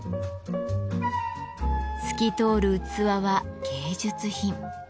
透き通る器は芸術品。